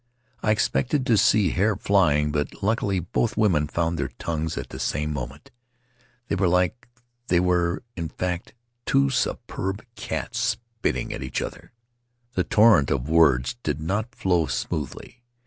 I expected to see hair flying, but, luckily, both women found their tongues at the same moment. They were like — they were, in fact — two superb cats, spitting at each other. The torrent of words did not flow smoothly.